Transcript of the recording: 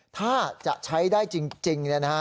ถ้าจะใช้ได้จริงนะฮะ